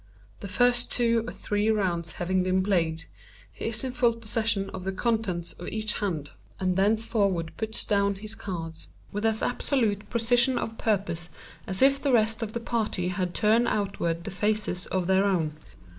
The first two or three rounds having been played, he is in full possession of the contents of each hand, and thenceforward puts down his cards with as absolute a precision of purpose as if the rest of the party had turned outward the faces of their own.